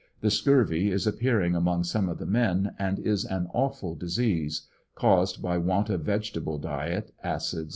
The scurvy is appearing among some of the men, and is an awful disease — caused by want of vegetable diet, acids, &c.